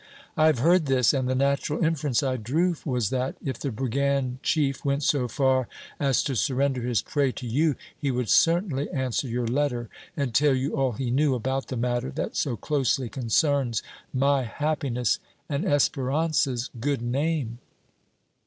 I have heard this, and the natural inference I drew was that, if the brigand chief went so far as to surrender his prey to you, he would certainly answer your letter and tell you all he knew about the matter that so closely concerns my happiness and Espérance's good name."